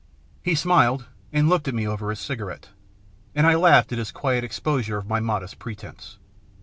He smiled, and looked at me over his cigarette, and I laughed at his quiet exposure of my modest pretence.